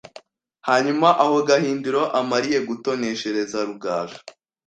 Hanyuma aho Gahindiro amariye gutoneshereza Rugaju